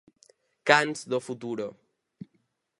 Cans do Futuro.